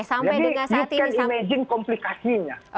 jadi anda bisa bayangkan komplikasinya